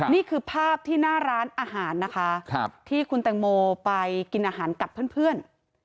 นี่คือภาพที่หน้าร้านอาหารนะคะที่คุณแตงโมไปกินอาหารกับเพื่อน